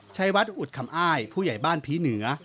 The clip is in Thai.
ชัยวัดอุดคำอ้ายผู้ใหญ่บ้านผีเหนือ